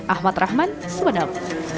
ahmad rahman subedam